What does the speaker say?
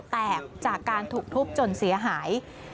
แตกจากการถูกทุบจนเสียหาย